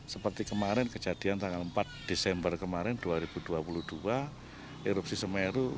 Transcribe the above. seperti kemarin kejadian tanggal empat desember kemarin dua ribu dua puluh dua erupsi semeru